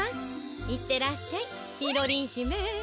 いってらっしゃいみろりんひめ。